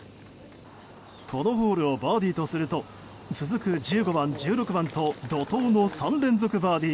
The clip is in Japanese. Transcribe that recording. このホールをバーディーとすると１５番、１６番と怒涛の３連続バーディー。